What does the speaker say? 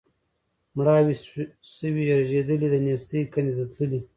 مړاوي سوي رژېدلي د نېستۍ کندي ته تللي